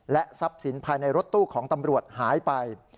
ทรัพย์สินภายในรถตู้ของตำรวจหายไป